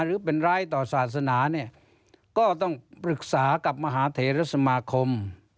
หรือเป็นร้ายต่อศาสนาเนี่ยก็ต้องปรึกษากับมหาเทรสมาคม